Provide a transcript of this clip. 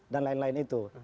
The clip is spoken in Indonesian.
dan lain lain itu